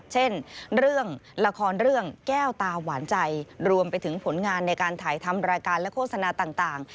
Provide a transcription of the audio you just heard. เช่นเรื่องละครเรื่องแก้วตาหวานใจรวมไปถึงผลงานในการถ่ายทำรายการและโฆษณาต่าง